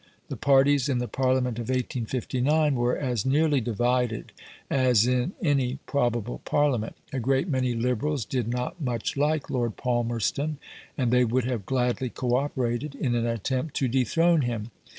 The parties in the Parliament of 1859 were as nearly divided as in any probable Parliament; a great many Liberals did not much like Lord Palmerston, and they would have gladly co operated in an attempt to dethrone him.